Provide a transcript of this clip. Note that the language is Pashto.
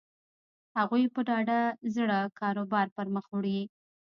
هغوی په ډاډه زړه کاروبار پر مخ وړي.